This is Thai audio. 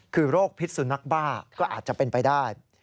คือโรคพิษสุนัขบ้าก็อาจจะเป็นไปได้